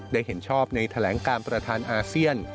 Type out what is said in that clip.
เห็นชอบในแถลงการประธานอาเซียน